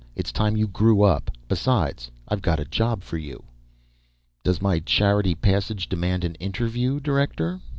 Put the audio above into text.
It's time you grew up. Besides, I've got a job for you." "Does my charity passage demand an interview, director?"